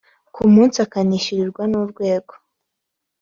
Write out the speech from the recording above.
ku munsi akanishyurirwa n’urwego